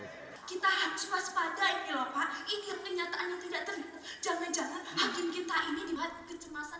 kita harus waspada ini lho pak ini pernyataan yang tidak terlalu jalan jalan hakim kita ini diwaduk kecemasan kecemasan